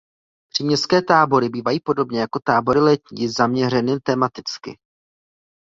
Příměstské tábory bývají podobně jako tábory letní zaměřeny tematicky.